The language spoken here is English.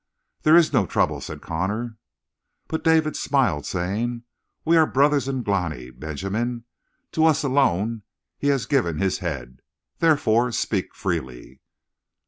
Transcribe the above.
"There is no trouble," said Connor. But David smiled, saying: "We are brothers in Glani, Benjamin. To us alone he has given his head. Therefore speak freely."